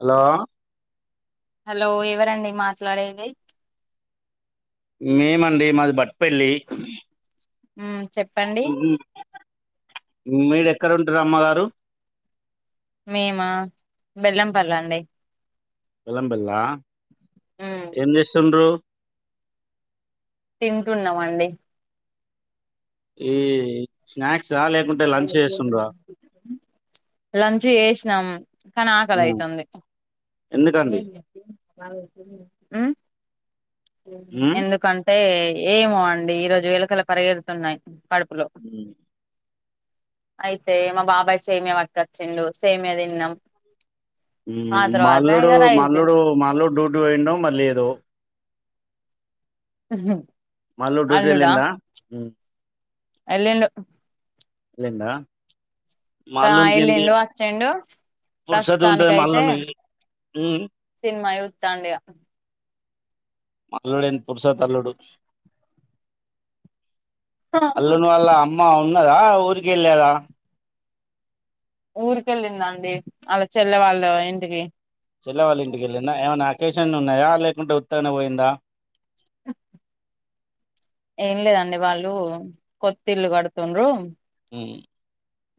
Hello hello ఎవరండి మాట్లాడేది మేమండి మాది బట్పల్లి మ్మ్ చెప్పండి మీరు ఎక్కడ ఉంటారు అమ్మగ హలో మేము బెల్లంపల్ల అండి బెల్లంపల్ల ఆ మ్మ్ ఎం చేస్తున్రు తింటున్నామ అండి ఏ స్నాక్. లంచ్ చేసినాం కానీ ఉమ్, ఆకలైతంది. ఎందుకండి ఉమ్, ఎందుకంటే ఏమో అండి ఈ రోజు ఎలుకలు పరిగెడుతున్నాయి. కడుపులొ అయితే మా బాబాయ్ సేమ్యా పట్కొచ్చిండు సేమ్యా తిన్నాం. ఆ తర్వాత ఇగ మల్లుడు రైస్ మల్లుడు మల్లుడు డ్యూటీ పోయిండు మల్లి ఏదో అసను మళ్ళుడు డూడి ఎలిండ ఎల్లిడి ఎల్లిండా. ఆ వెళ్ల్ళిండు, వచ్చిండు పురుసత్ ఉంటది మా ప్రస్తుతానికయితే అల్లునికి ఉమ్, సినిమా చూత్తండు ఇగ. మళ్ళుడేన్ పురుషోత్తళ్ళుడు. అల్లును వాల్ళ అమ్మ అవు కదా ఊరికెల్లారా ఊరికెళ్ళిందాండి ఆళ్ల చెల్లె వాళ్ళ ఇంటికి. చెల్లవాళ్ళ ఇంటికిళ్ళిందా ఏమైనా అకేషన్ ఉన్నాయా, లేకుంటే ఉత్తగనే పోయిందా. అహ్ ఏం లేదండి వాళ్ళు కొత్తిళ్ళు కడుతుండ్రు. ఉమ్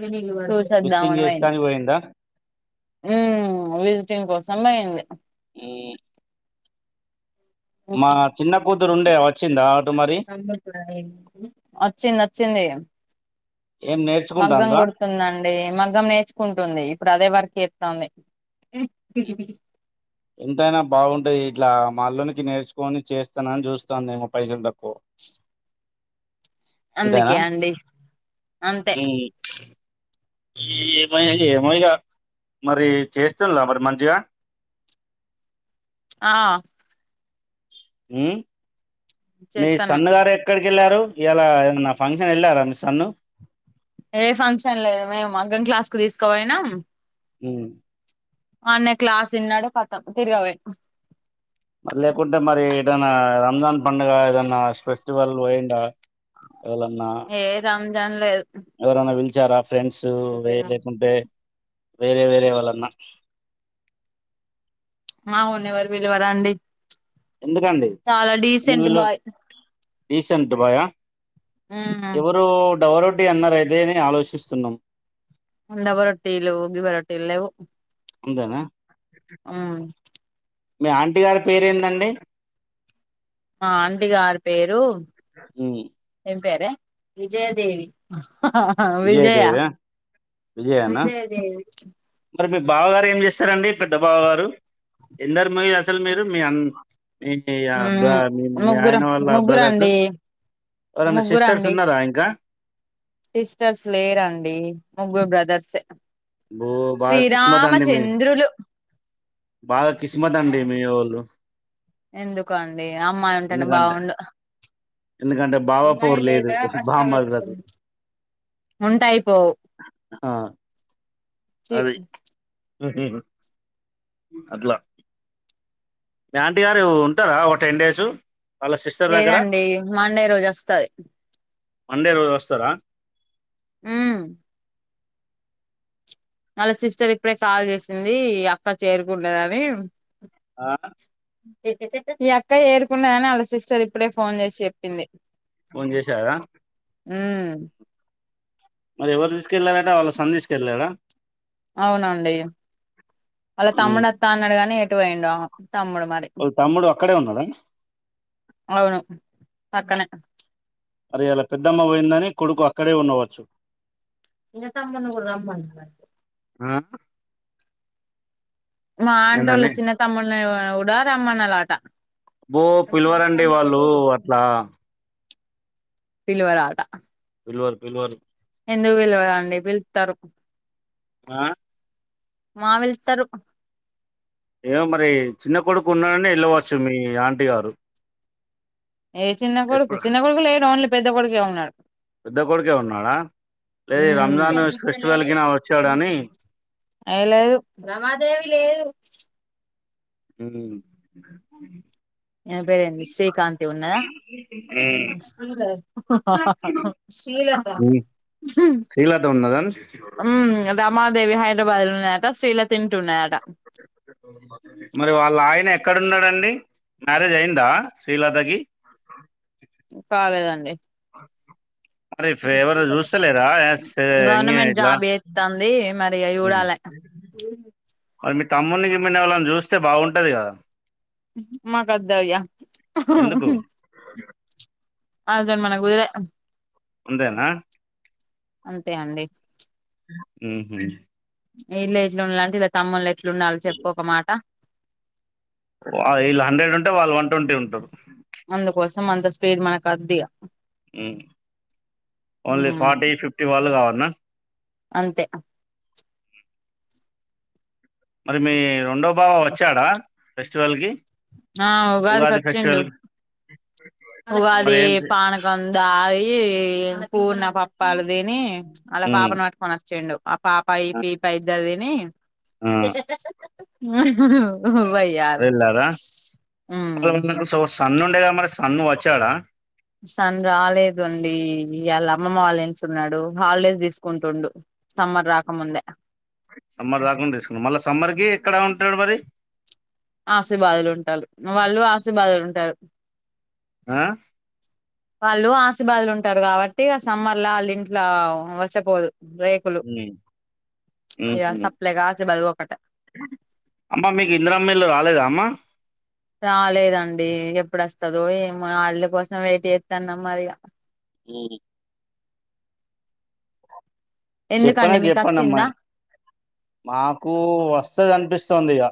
ఉహు చూసొద్దామనీ బోయింది పోయిందా? ఊమ్ విజిటింగ్ కోసం. సమ్మయింది. హ్మ్. మా చిన్న కూతురుండే వచ్చిందా అటు మరి? వచ్చింది వచ్చింది. ఏం మగ్గం నేర్చుకుంటాందా? కుడుతుందండి మగ్గం నేర్చుకుంటుంది, ఇప్పుడు అదే వర్క్ చే తంది. ఎంతైనా బాగుంటాయి ఇట్లా మళ్ళునికి నేర్చుకొని చేస్తానని చూస్తాన్నా ఇంక పైసలు తక్కువ. అంతేనా? అందుకే అండి అంతే. ఏమై ఏమో ఇగ మరి చేస్తుల్లా మరి మంచిగా. ఆ ఊ మీ చేత్తన్నాం సన్ గారెక్కడికెళ్ళారు. ఇలా ఏ నా ఫంక్షన్ వెళ్ళారా మిస్ సాన్ ఏ ఫంక్షన్ లేదు. మేము మగ్గం క్లాస్ కు తీసుకోపోయినా ఉమ్ మన్నయ క్లాస్ విన్నడు. పక్కకు తిరగపో మరి లేకుంటే మరి ఏదైనా రంజాన్ పండగ ఏదనా ఆ ఫెస్టివల్ పోయిండా, ఎవలన్నా ఏ రంజాన్ లేదు ఎవరన్నా పిలు జరాఫ ఫ్రెండ్స్ వేయ అదేరా లేకుంటే వేరే వేరే వాళ్ళన్నా ఆ ఉన్నవారు వీళ్లువర రండి ఎందుకండి వీళు బాయ్ డిసెంట్ బాయి ఆ ఎవరు డవోడ్ టి అన్నరైదేని ఆలోచిస్తున్నాం అండబా రొట్టిలు గిబా రొట్టిలులేవు అంతేనా హుము మీ ఆంటీ గారి పేరేందండి మా ఆంటి గారు పేరు ఉమ్, ఏం పేరే విజయదేవి ఆ ఆ విజయా విజయదేవి విజయనా విజయదేవి మరి మీ బావగారు ఏం చేస్తారండి పెద్ద బావ గారు ఎందరు మీరు అసలు మీరు మీ అ మీ య ఉమ్ బా మీ ఆయన ముగ్గురం వాళ్ళ బ్రదర్స్ ముగ్గురండి ఎవరనా సిస్టర్స్ ముగ్గురండి ఉన్నారా ఇంకా సిస్టర్స్ లేరండి ముగ్గురు బ్రదర్సే బో బాగా కిస్మత్ అండి మీ శ్రీరామచంద్రులు బాగా కిస్మత్ అండి మీ వోళ్ళు ఎందుకో అండి అమ్మాయి ఉంటేనే బాగుండు ఎందుకంటే బావ అమ్మాయి పోరు లేదు లేక కష్టాలు వస్తు బామ్మలకు ఉంటే అయిపోవు ఆ చీ అది అట్లా మీ ఆంటీ గారు ఉంటార ఒక టెన్ డేసు లేదండి మండే రోజు వస్తది మండే రోజు వస్తార హు వాళ్ళ సిస్టర్ ఇప్పుడే కాల్ చేసింది అక్క చేరుకుండదని ఆ ఈ ఈ ఈ అక్క ఏరుకున్నదని వాళ్ళ సిస్టర్ ఇప్పుడే ఫోన్ చేసి చెప్పింది ఫోన్ చేసారా ఉమ్ మరి ఎవరు తీసుకెళ్ళలారట వాళ్ళ సన్ని తీసుకెళ్ళారా అవునండి వాళ్ళ తమ్ముడు అత్తా అన్నాడు కాని ఎటు పోయిండో తమ్ముడు మరి వాళ్ళ తమ్ముడు అక్కడే ఉన్నాద అవును పక్కనే అది వాళ్ళ పెద్దమ్మ పోయిందని కొడుకు అక్కడే ఉండవచ్చు చిన్న తమ్ముడిని కూడా రమ్మను ఆశ మా ఆంటోళ్ళు చిన్న తమ్ముళ్లో ఎవరో కూడా రమ్మన్నలాట బో పిలవరండి వాళ్ళు అట్లా. పిలువరాద పిల్వర్ పిల్వర్ ఎందుకు పిలవరండి పిలుత్తారు. ఆ మా వెళ్తారు. ఏమోమరి చిన్న కొడుక్ కున్నాడని వెళ్ళవచ్చు మీ ఆంట్. టి గారు ఏ చిన్న కొడుకు ఎప్పుడు చిన్న కొడుకు లేనోళ్ళు. పెద్దకొడుకుఏమన్నాడు? పెద్ద కొడుకే ఉన్నాడా లేదు ఈ హ్మ్ రంజాన్ ఫెస్టివల్ కి నా వచ్చాడని అయి లేదు రమాదేవి లేదు. హ్మ్ ఏం పేరేంటి శ్రీకాంతి ఉన్న దా? హా హా ఉమ్. శ్రీలత ఉన్నదా హా మాదేవి హైదరాబాద్ లో ఉన్నాదట శ్రీలత ఇంట్లో ఉన్నదట. మరి వాళ్ళ ఆయన ఎక్కడన్నాడండి మ్యారేజ్ అయిందా శ్రీలతకి? కాలేదండి. మరి ఫ- ఎవరు చూస్తలేరా ఎస్ ఇంగే గవర్నమెంట్ ఇట్లా జాబ్ చేస్తాంది మరి చూడాల. తమ్మున్ని గిమ్ముణ్ణి ఎవ్లనన్న చూస్తే బాగుంటుంది కదా. మాకొద్దయ్య ఉహు ఎందుకు ఉహు. అదేం మనకుదిరే ఉందేనా అంతే అండి. హ్మ్ విలేజ్ లో ఉండాలంటే ఇలా తమ్ముళ్ళు ఎట్లు ఉండాలో చెప్పుఒకమాట. వీళ్ళు హండ్రెడ్ ఉంటే వాళ్ళు వన్ ట్వంటీ ఉంటారు. అమ్మ అంత స్పీడ్ మనకుకొద్దు ఇక. హ్మ్ ఓన్లీ మ్మ్ ఫార్టీ ఫిఫ్టీ వాళ్ళు కావాలన్న? అంతే. మరి మీ రెండో బావ వచ్చాడా? ఫెస్టివల్ కి. ఆ ఉగాది ఉగాదికిచ్చిండు. ఫెస్టివల్ కి మరి ఉగాది ఏం చే- పానకం దాగి, ఏ హత్ పూర్ణ పప్పాలు దిని వాళ్ళ ఉమ్. పాపను పట్టుకొని వచ్చిండు. ఆ పాపయి పీపా ఇద్దరిది నీ ఆ, వై ఆర్ వెళ్ళారా హ్మ్ సన్ను ఉండేగా మరి సన్ను వచ్చాడా సన్ రాలేదుండి. ఈ యాళ్ళ అమ్మమ్మ వాళ్ళ ఇంట్ల ఉన్నాడు హాలిడేస్ తీసుకుంటుండు సమ్మర్ రాకముందే సమ్మర్ రాకుండా తీసుకున్ మళ్ళా సమ్మర్ కి ఎక్కడ ఉంటాడు మరి ఆశీ బాదుల ఉంటాళ్ళు వాళ్ళు ఆశీ బాదుల ఉంటారు ఆ వాళ్ళు ఆసి బాదుల ఉంటారు కాబట్టి ఇగ సమ్మర్లా వాళ్ళ ఇంట్ల వచపోద్ ఇగ సప్లేగా ఆసిబాద్ పోకట అమ్మ మీకు ఇందిరమ్మ ఇల్లు రాలేదా అమ్మా రాలేదండి ఎప్పుడు వస్తదో ఏమో, ఆళ్ళ కోసం వెయిట్ చేస్తాన్నం మరి ఇగ మ్మ్ చెప్పనే ఎందుకండి మీకు చెప్పండి అమ్మా వచ్చిందా మాకు వస్తది అనిపిస్తుంది ఇగ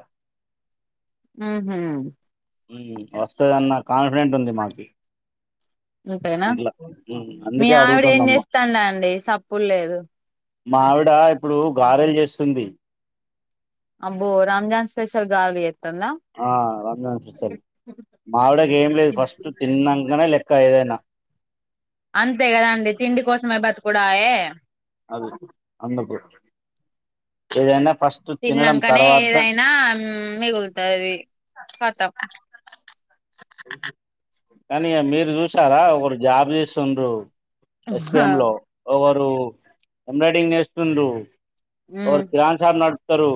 హ్మ్ హమ్ హ్మ్ వస్తదన్న కాన్ఫిడెంట్ ఉంది మాకు ఉంటేనా మీ అందుకే ఆవిడ ఏం అడుగుతుందమ్మ. చేస్తాంది అండి సప్పుడ్ లేదు మా ఆవిడ ఇప్పుడు గారెలు చేస్తుంది అబ్బో రంజాన్ స్పెషల్ గారెలు ఎ ఆ రంజాన్ ఫెషల్ మావిడకి ఏం లేదు ఫస్ట్ తిన్నాకంనే లెక్ క్క ఏదైనా అంతే కదండి తిండి కోసమే బతుకుడాయే అది అందుకు ఏదైనా ఫస్ట్ తినడం తిన్నాంకనే తర్వాత ఏదైనా మిగులుతది కథం కానీ ఇగ మీర్ చూసారా ఒకడ్ జాబ్ చే స్ స్తుండ్రు ఎస్పిిఎం లో ఓవ డు ఎబ్రాయిడరింగ్ నేస్తుండు ఉమ్ ఓర్ కిరాణ్ షాప్ నడ్ తరూ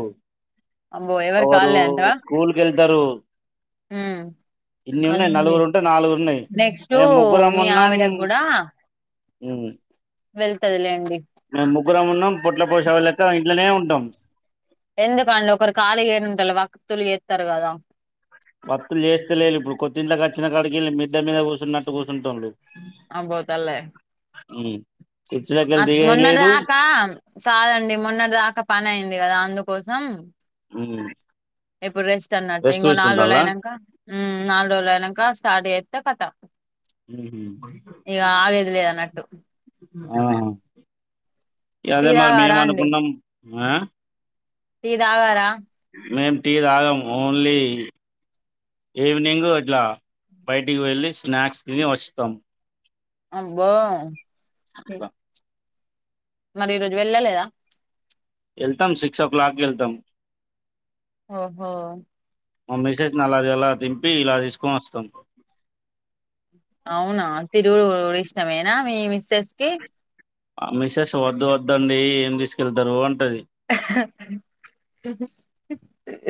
అబ్బో ఎవరికి ఒకరు స్కూల్ కెల్ ఇద్దరూ మ్మ్ నలుగురు ఉంటే నాలుగు ఉన్నాయి నెక్స్ట్ మేము మీ ఆవిడకి కూడా మ్మ్ హ్మ్ వెళ్తాది లేండి ముగ్గురం ఉన్నాం పొట్ల పోంసెలెక్క ఇంట్లోనే ఉం త్తమ్ ఎందుకండి ఒకరు ఖాళీ గా ఎమ్ ఉండాలి వకత్తులు చేస్తారు కదా వత్తులు చేస్తాలేదు ఇప్పుడు కొత్తింట్లొకి వచ్చిన కాడికి వెళ్ళి మిద్ద మీద కూర్చున్నట్టు కూర్చుంటుండు ఆమ్ బొతాలే ఉ మొన్నటి దాకా కాదండి మొన్నటి దాకా పని అయింది కదా అందుక్ కోసం మ్మ్ ఇప్పుడు రెస్ట్ అన్నట్టు ఇంకో నాలుగు రోజులు అయినాంక నాలుగు రోజులు అయినాంక స్టార్ట్ చేస్ పెద్దకథ ఉహు ఆగేది లేదన్నట్టు ఆహ టీ అదే మరి తాగారా మేము అండి అనుకున్నాం ఆ టీ తాగార మేము టీ తాగం ఓన్లీ ఈవినింగు అట్లా బయటికి వెళ్ళి స్నాక్స్ తిని వస్తాం అబ్బా అట్లా మరి ఈ రోజు వెళ్ళలేదా వెళ్తాం సిక్స్ ఓ క్లాక్ కి వెళ్తాం ఓహో మా మిసేస్ ని అల దింపి ఇలా తీసుకొని వస్తాం అవునా తి దూడ్ ఇష్టమేనా మీ మిస్ తెస్కే మా మిస్సెస్ వద్దు వద్దండి ఏం తీసుకెళ్తారు అంటా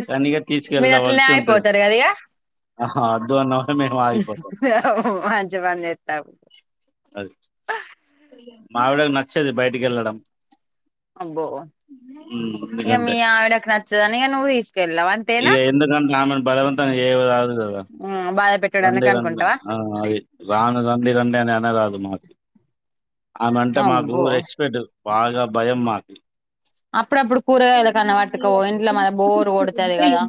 కానీ ఇగ మీరు అట్లనే తీసుకెళ్లవలసి ఉంటది అయిపోతారు కదా ఇగ ఆహా అద్దు అన్నవ్ మంచిపని చేత్తావ్ మావిడకి నచ్చదు బయటికి వెళ్ళడం అబ్బో ఉమ్ ఇక ఎందుకంటే మీ ఆవిడకి నచ్చదని ఇక నువ్వు తీసుకెల్లవ్ అంతేనా ఇగ ఎందుకంటే ఆమెను బాధ పెట్ట రండే రం ఆ అది రాను రండే రంటే అనీ అన్నరాదు మా ఆమెంటే మాకు అబ్బో రెస్పెట్ బాగా భయం మాకు అప్పుడు అప్పుడు కూరగాయలు కన్నా పట్టుకపో ఇంట్లో మ బోరు కొడుతాది కదా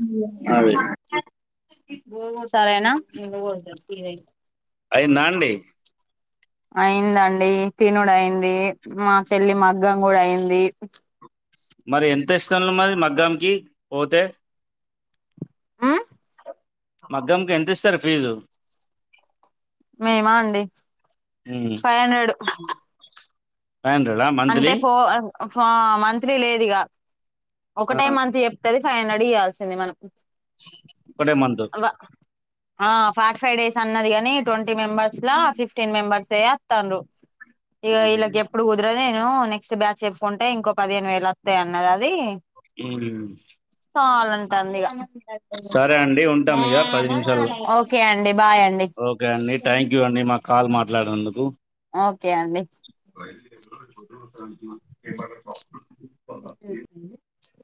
అది [unintelligible] నినా ఇది అయిందా అండి అయిందండి తినుడు అయింది మా చెల్లి మగ్గం కూడా అయింది మరి ఎంత ఇస్తన్లు మరి మగ్గాంకి పోతే ఉమ్ మగ్గంకి ఎంత ఇస్తారు ఫీజు మేమా అండి five hundred five hundred monthly ఫా మంత్లీ లేదు ఇగ ఒకటె మంత్ చెప్తది ఫైవ్ హండ్రెండ్ ఇయ్యాల్సింది మనకు ఒకటే మంత్ ఆ ఫార్టీ ఫైవ్ డేస్ అన్నది గాని ట్వంటీ మెంబర్స్ లా ఫిఫ్టీన్ మెంబర్స్ చెత్తండ్రు ఇగా ఇల్లకి ఎప్పుడు నేను నెక్స్ట్ బ్యాచ్ చెప్పుకుంటే ఇంకో పదిహేను వేలు వస్తాయి అన్నది అది హు చాలంటాంది ఇగ సరే అండి ఉంటాం ఇక పది నిమిషాలు ఓకే అండి బాయ్ అండి ఓకే అండి థ్యాంక్ యూ అండి మాకు కాల్ మ మాట్లాడిన అందుకు ఓకే అండి [inaudible] [inaudible] [inaudible]